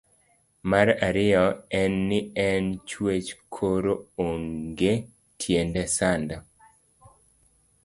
Mar ariyo en ni en chwech koro onge tiende sando